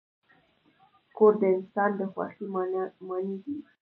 کور د انسان د خوښۍ ماڼۍ ده.